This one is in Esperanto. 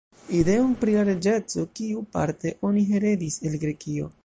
Ideon, pri la reĝeco, kiu, parte, oni heredis el Grekio.